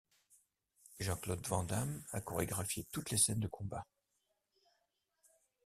Jean-Claude Van Damme a chorégraphié toutes les scènes de combat.